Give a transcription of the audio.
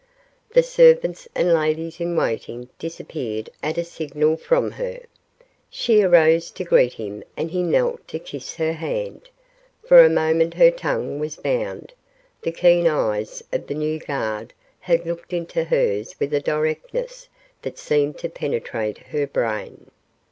The servants and ladies in waiting disappeared at a signal from her. She arose to greet him and he knelt to kiss her hand. For a moment her tongue was bound. The keen eyes of the new guard had looked into hers with a directness that seemed to penetrate her brain.